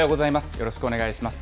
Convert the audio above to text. よろしくお願いします。